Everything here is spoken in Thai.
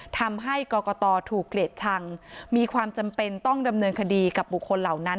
ทำให้กรกตถูกเกลียดชังมีความจำเป็นต้องดำเนินคดีกับบุคคลเหล่านั้น